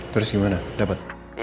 terus gimana dapat